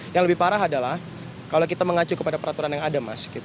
yang lebih parah adalah kalau kita mengacu kepada peraturan yang ada mas